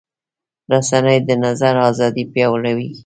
رسنۍ د نظر ازادي پیاوړې کوي.